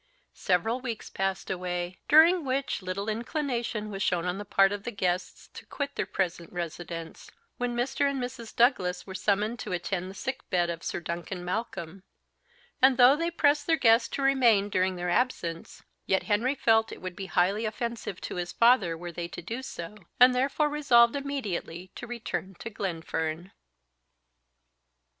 Several weeks passed away, during which little inclination was shown on the part of the guests to quit their present residence, when Mr. and Mrs. Douglas were summoned to attend the sick bed of Sir Duncan Malcolm; and though they pressed their guests to remain during their absence, yet Henry felt it would be highly offensive to his father were they to do so, and therefore resolved immediately to return to Glenfern.